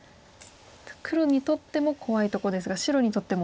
黒にとっても怖いとこですが白にとっても。